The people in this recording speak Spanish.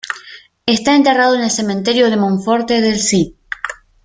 Está enterrado en el cementerio de Monforte del Cid.